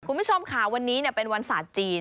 คุณผู้ชมค่ะวันนี้เป็นวันศาสตร์จีน